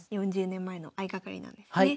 ４０年前の相掛かりなんですね。